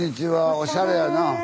おしゃれやわ。